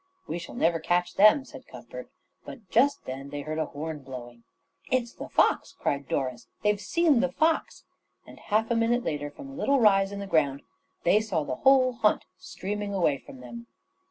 "We shall never catch them," said Cuthbert, but just then they heard a horn blowing. "It's the fox," cried Doris. "They've seen the fox," and half a minute later, from a little rise in the ground, they saw the whole hunt streaming away from them.